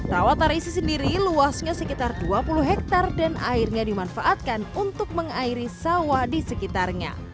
rawa tarisi sendiri luasnya sekitar dua puluh hektare dan airnya dimanfaatkan untuk mengairi sawah di sekitarnya